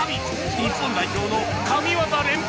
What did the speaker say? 日本代表の神業連発